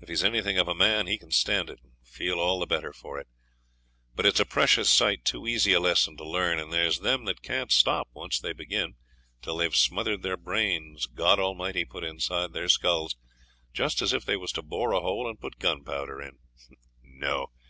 If he's anything of a man he can stand it, and feel all the better for it; but it's a precious sight too easy a lesson to learn, and there's them that can't stop, once they begin, till they've smothered what brains God Almighty put inside their skulls, just as if they was to bore a hole and put gunpowder in. No!